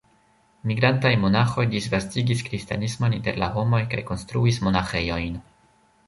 Migrantaj monaĥoj disvastigis kristanismon inter la homoj kaj konstruis monaĥejojn.